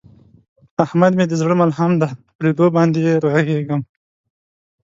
احمد مې د زړه ملحم دی، په لیدو باندې یې رغېږم.